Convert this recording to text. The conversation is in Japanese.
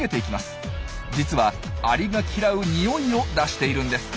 実はアリが嫌うにおいを出しているんです。